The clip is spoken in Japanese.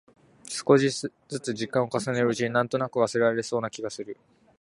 少しづつ時間を重ねるうちに、なんとなく忘れられそうな気がする。